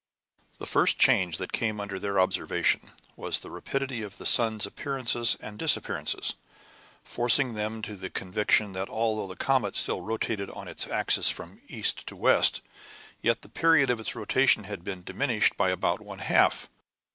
The first change that came under their observation was the rapidity of the sun's appearances and disappearances, forcing them to the conviction that although the comet still rotated on its axis from east to west, yet the period of its rotation had been diminished by about one half.